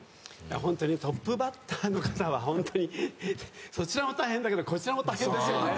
ホントにトップバッターの方はそちらも大変だけどこちらも大変ですよね。